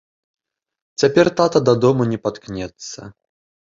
Цяпер тата дадому не паткнецца.